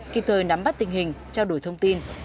kịp thời nắm bắt tình hình trao đổi thông tin